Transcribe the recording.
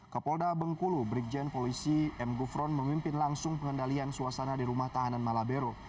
kapolda bengkulu brigjen polisi m gufron memimpin langsung pengendalian suasana di rumah tahanan malabero